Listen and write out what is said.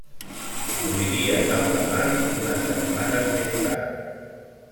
Moriria en alta mar unes setmanes més tard.